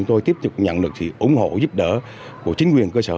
tôi tiếp tục nhận được sự ủng hộ giúp đỡ của chính quyền cơ sở